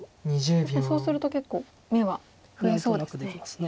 確かにそうすると結構眼は増えそうですね。